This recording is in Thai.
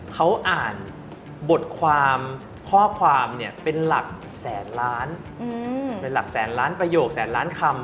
เขาอ่านบทความข้อความเนี่ยเป็นหลักแสนล้านเป็นหลักแสนล้านประโยคแสนล้านคำ